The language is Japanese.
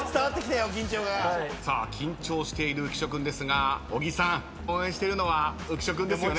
緊張している浮所君ですが小木さん応援しているのは浮所君ですよね？